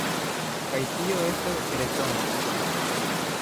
Kaj tio estas rezona.